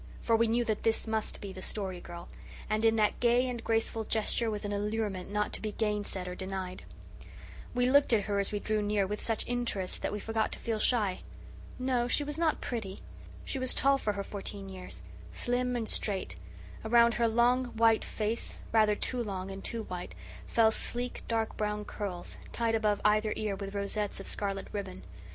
For we knew that this must be the Story Girl; and in that gay and graceful gesture was an allurement not to be gainsaid or denied. We looked at her as we drew near with such interest that we forgot to feel shy. No, she was not pretty. She was tall for her fourteen years, slim and straight; around her long, white face rather too long and too white fell sleek, dark brown curls, tied above either ear with rosettes of scarlet ribbon.